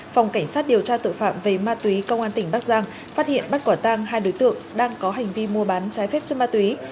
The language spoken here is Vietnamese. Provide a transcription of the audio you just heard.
phòng cảnh sát điều tra tội phạm về ma túy công an tỉnh bắc giang phát hiện bắt quả tang hai đối tượng đang có hành vi mua bán trái phép chất ma túy